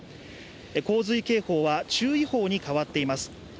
洪水警報は注意報に変わっています。